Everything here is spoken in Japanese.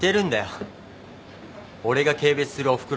俺が軽蔑するおふくろに。